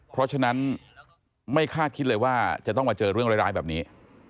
เพราะฉะนั้นไม่คาดคิดเลยว่าจะต้องมาเจอเรื่องร้ายแบบนี้